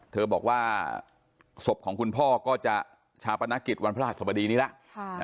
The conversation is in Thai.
เธอบอกว่าศพของคุณพ่อก็จะชาปนกิจวันพระหัสสบดีนี้แล้ว